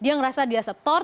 dia ngerasa dia setor